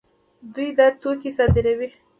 دوی دا توکي صادروي.